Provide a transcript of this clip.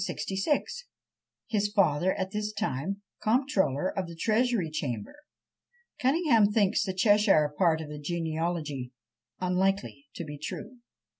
His father was at this time Comptroller of the Treasury Chamber. Cunningham thinks the Cheshire part of the genealogy "unlikely to be true."